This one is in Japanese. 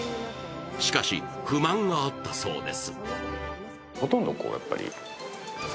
しかし、不満があったそうです。